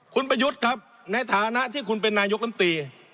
คุณประยุทธ์ครับในฐานะที่คุณเป็นนายกลำตี